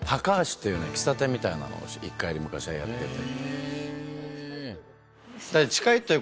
喫茶店みたいなのを１階で昔はやってて。